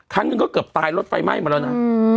ครั้งหนึ่งก็เกือบตายรถไฟไหม้มาแล้วนะ